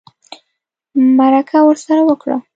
مرکه ورسره وکړه